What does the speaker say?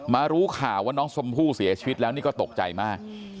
รู้ข่าวว่าน้องชมพู่เสียชีวิตแล้วนี่ก็ตกใจมาก